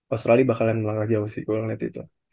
australia bakalan melangkah jauh sih gue ngeliat itu